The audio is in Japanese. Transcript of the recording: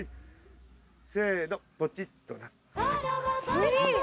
せのポチッとな。